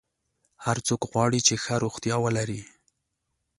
هر څوک غواړي چې ښه روغتیا ولري.